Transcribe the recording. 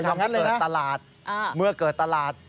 เวลาเกิดตลาด